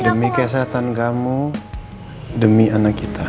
demi kesehatan kamu demi anak kita